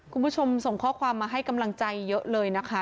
คุณผู้ชมส่งข้อความมาให้กำลังใจเยอะเลยนะคะ